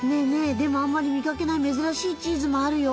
でもあんまり見かけない珍しいチーズもあるよ。